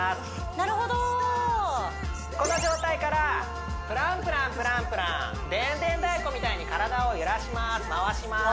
なるほどこの状態からプランプランプランプランでんでん太鼓みたいに体を揺らします回します